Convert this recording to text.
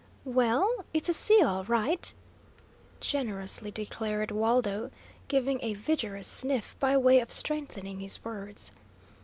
"Well, it's a sea all right," generously declared Waldo, giving a vigorous sniff by way of strengthening his words.